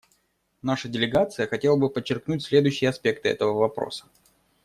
Наша делегация хотела бы подчеркнуть следующие аспекты этого вопроса.